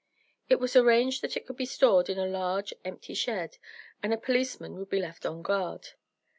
It was arranged that it could be stored in a large, empty shed, and a policeman would be left on guard.